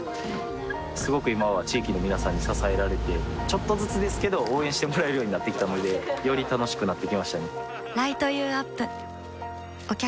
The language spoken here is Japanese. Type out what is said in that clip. すごく今は地域の皆さんに支えられてちょっとずつですけど応援してもらえるようになってきたのでより楽しくなってきましたね